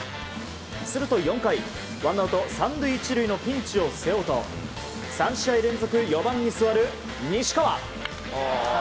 すると４回、ワンアウト３塁１塁のピンチを背負うと３試合連続４番に座る、西川。